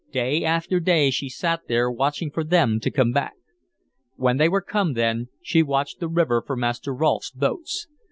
Day after day she sat there watching for them to come back; when they were come, then she watched the river for Master Rolfe's boats.